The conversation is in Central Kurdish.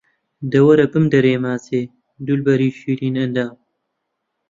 دە وەرە بمدەرێ ماچێ، دولبەری شیرین ئەندام